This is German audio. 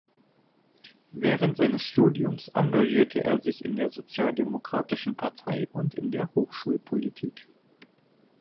Während seines Studiums engagierte er sich in der sozialdemokratischen Partei und in der Hochschulpolitik.